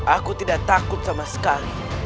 aku tidak takut sama sekali